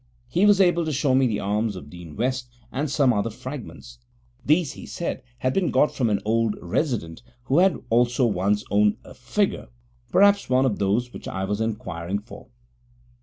He was able to show me the arms of Dean West and some other fragments. These, he said, had been got from an old resident, who had also once owned a figure perhaps one of those which I was inquiring for.